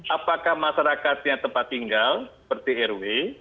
apakah masyarakatnya tempat tinggal seperti rw